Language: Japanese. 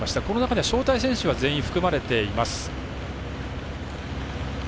この中には招待選手は全員含まれています。